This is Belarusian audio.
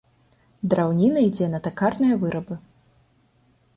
Драўніна ідзе на такарныя вырабы.